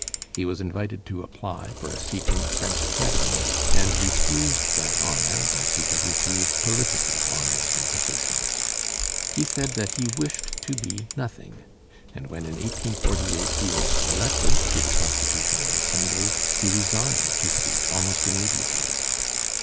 He was invited to apply for a seat in the French Academy, and refused that honor as he had refused political honors and positions. He said that he "wished to be nothing"; and when in 1848 he was elected to the Constitutional Assembly, he resigned his seat almost immediately.